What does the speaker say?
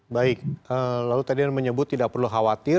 baik lalu tadi anda menyebut tidak perlu khawatir